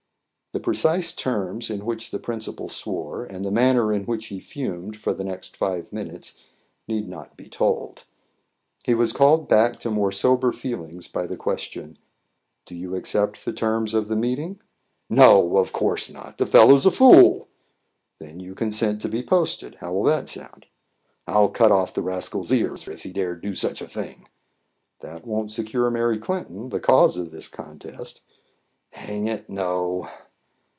The precise terms in which the principal swore, and the manner in which he fumed for the next five minutes, need not be told. He was called back to more sober feelings by the question "Do you accept the terms of the meeting?" "No, of course not; the fellow's a fool." "Then you consent to be posted. How will that sound?" "I'll cut off the rascal's ears if he dare do such a thing." "That won't secure Mary Clinton, the cause of this contest." "Hang it, no!"